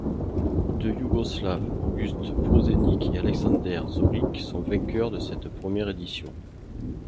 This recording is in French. Deux Yougoslaves, August Prosenik et Alexander Zorić, sont vainqueurs de cette première édition.